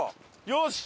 よし！